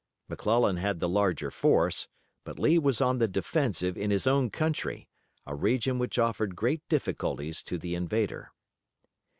McClellan had the larger force, but Lee was on the defensive in his own country, a region which offered great difficulties to the invader.